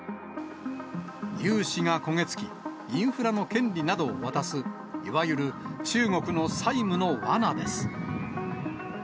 融資が焦げ付き、インフラの権利などを渡す、いわゆる中国の債務のわなです。